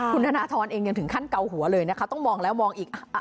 คุณธนทรเองยังถึงขั้นเกาหัวเลยนะคะต้องมองแล้วมองอีก